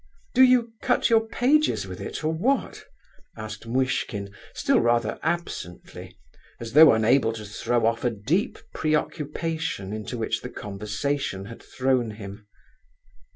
"Do you cut your pages with it, or what?" asked Muishkin, still rather absently, as though unable to throw off a deep preoccupation into which the conversation had thrown him.